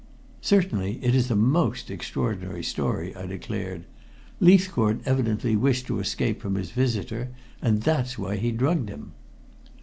"Certainly, it is a most extraordinary story," I declared. "Leithcourt evidently wished to escape from his visitor, and that's why he drugged him."